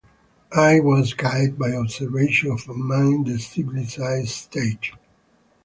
I was guided by observation of man in the civilized stage.